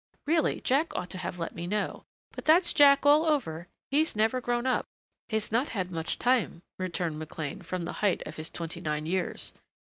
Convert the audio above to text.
Really, Jack ought to have let me know but that's Jack all over. He's never grown up." "He's not had much time," returned McLean from the height of his twenty nine years.